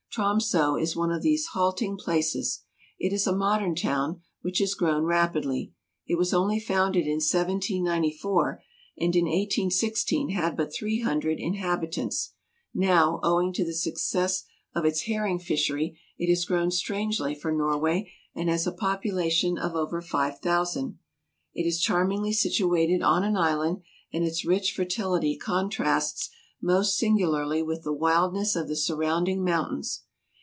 Tromso is one of these halting places : it is a modern town, which has grown rapidly. It was only founded in 1794, and in 18 16 had but three hundred inhabitants ; now, owing to the suc cess of its herring fishery, it has grown strangely for Norway, and has a population of over 5000. It is charmingly situated on an island, and its rich fertility contrasts most singularly with the wildness of the surrounding mountains.